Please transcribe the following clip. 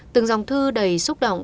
từng dòng thư đầy xúc động